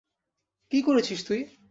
কী করেছিস তুই?